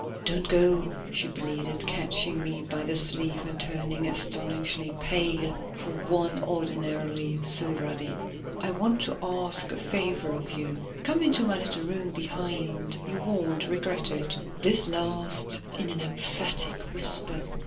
"Don't go," she pleaded, catching me by the sleeve and turning astonishingly pale for one ordinarily so ruddy. "I want to ask a favor of you. Come into my little room behind. You won't regret it." This last in an emphatic whisper.